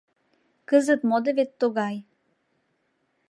Кызыт модо вет тугай: